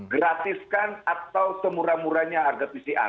gratiskan atau semurah murahnya harga pcr